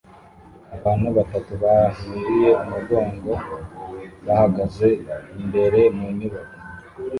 Abantu batatu bahinduye umugongo bahagaze imbere mu nyubako